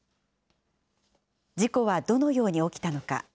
事故はどのように起きたのか。